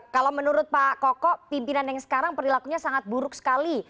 kalau menurut pak koko pimpinan yang sekarang perilakunya sangat buruk sekali